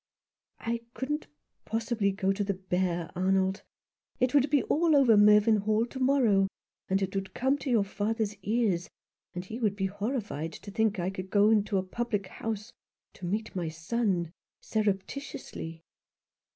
" I couldn't possibly go to the Bear, Arnold. It would be all over Mervynhall to morrow — and it would come to your father's ears, and he would be horrified to think that I could go to a public house — to meet my son — surreptitiously."